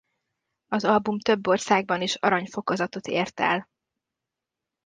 Az album több országban is arany fokozatot ért el.